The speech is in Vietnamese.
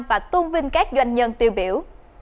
và tôn vinh các doanh nhân tiêu biểu